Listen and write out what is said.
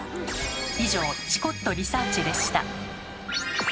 以上「チコっとリサーチ」でした。